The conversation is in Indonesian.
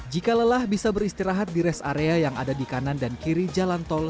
jika lelah bisa beristirahat di rest area yang ada di kanan dan kiri jalan tol